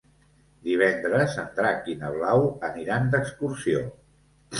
Divendres en Drac i na Blau aniran d'excursió.